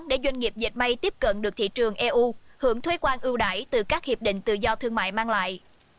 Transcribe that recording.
để doanh nghiệp dịch may tiếp cận được thị trường eu hưởng thuế quan ưu đải từ các hiệp định tự do thương mại mang lại